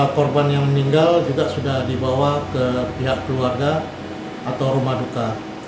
korban yang meninggal juga sudah dibawa ke pihak keluarga atau rumah duka